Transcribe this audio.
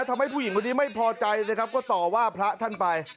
ทำให้ผู้หญิงคนนี้ไม่พอใจนะครับก็ต่อว่าพระท่านไป